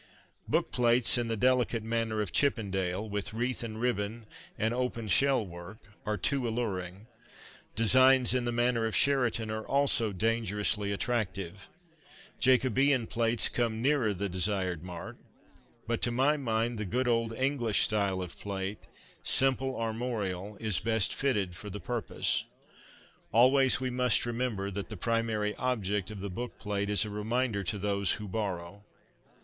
Bookplates in the delicate manner of Chippendale, with ' wreath and ribbon ' and open shell work, are too alluring. Designs in the manner of Sheraton are also danger ously attractive. Jacobean plates come nearer the 88 CONFESSIONS OF A BOOK LOVER desired mark. But to my mind the good old English style of plate, ' simple armorial/ is best fitted for the purpose. Always must we remember „that the primary object of the bookplate is a reminder to those who borrow.